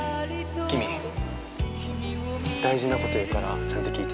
キミ大事なこと言うからちゃんと聞いて。